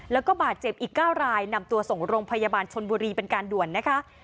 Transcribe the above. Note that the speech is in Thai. แล้วก็บาดเจ็บอีก๙รายนำตัวส่งโรงพยาบาลชนบุรีเป็นการด่วนนะคะ